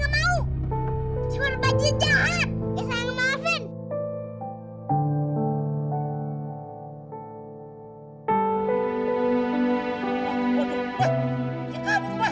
buat kalau kamu tidak nyata